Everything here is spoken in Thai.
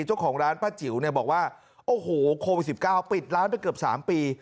เจ้าของร้านป้าจิ๋วเนี่ยบอกว่าโอ้โหโควิด๑๙ปิดร้านไปเกือบ๓ปี